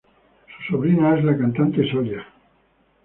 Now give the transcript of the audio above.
Su sobrina es la cantante Soya.